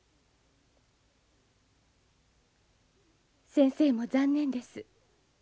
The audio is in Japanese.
先生も残念です。